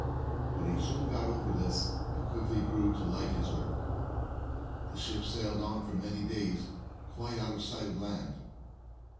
But he soon got over this, and quickly grew to like his work. The ship sailed on for many days, quite out of sight of land.